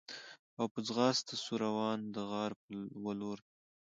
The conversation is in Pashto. او په ځغاسته سو روان د غار و لورته